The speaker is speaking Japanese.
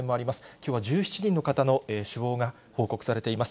きょうは１７人の方の死亡が報告されています。